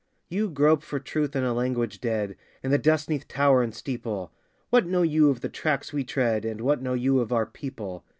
You grope for Truth in a language dead In the dust 'neath tower and steeple! What know you of the tracks we tread? And what know you of our people?